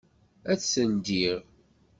Ad t-ldiɣ.